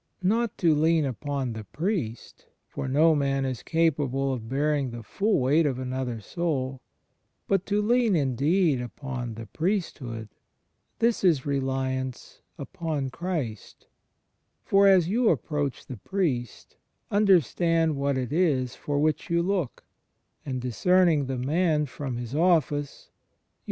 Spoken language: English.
Not to lean upon the priest — (for no man is capable of bearing the full weight of another soul) — but to lean indeed upon the priest hood — this is reliance upon Christ: for as you ap proach the priest, understanding what it is for which you look, and discerning the man from his office, you ^ ^)oc.